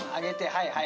はいはい。